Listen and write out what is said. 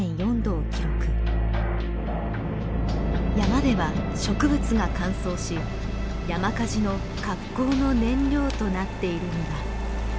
山では植物が乾燥し山火事の格好の燃料となっているのだ。